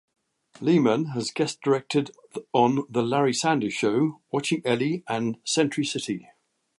Lehmann has guest directed on "The Larry Sanders Show", "Watching Ellie" and "Century City".